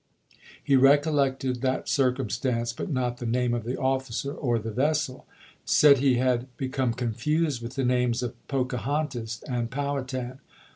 He recollected that circumstance, but not the name of the officer or the vessel — said he had become confused with the names of Pocahontas and Poivhatan.